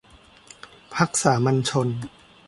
พรรคสามัญชน